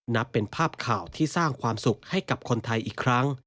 นับเป็นภาพข่าวที่สร้างความสุขให้กับคนไทยอีกครั้ง